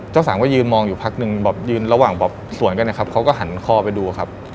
สามก็ยืนมองอยู่พักนึงแบบยืนระหว่างแบบสวนกันนะครับเขาก็หันคอไปดูครับ